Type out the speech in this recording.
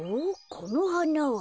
このはなは。